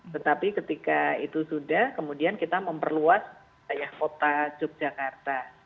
tetapi ketika itu sudah kemudian kita memperluas daya kota yogyakarta